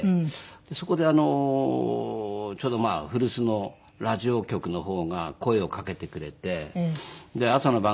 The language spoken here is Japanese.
そこでちょうど古巣のラジオ局の方が声をかけてくれてで朝の番組